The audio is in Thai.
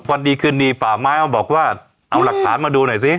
วันดีคืนดีป่าไม้มาบอกว่าเอาหลักฐานมาดูหน่อยสิ